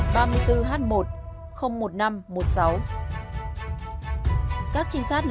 các trinh sát lập trình